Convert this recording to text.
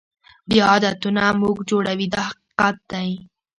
بیا عادتونه موږ جوړوي دا حقیقت دی.